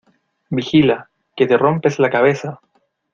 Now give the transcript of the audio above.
Vigila, ¡que te rompes la cabeza!